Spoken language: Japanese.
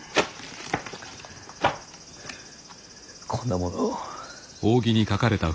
こんなものを。